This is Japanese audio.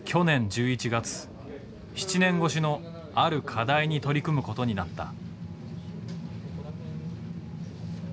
７年越しのある課題に取り組むことになった。